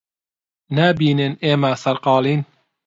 نابینن ئێمە سەرقاڵین؟